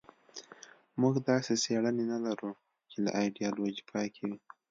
موږ داسې څېړنې نه لرو چې له ایدیالوژۍ پاکې وي.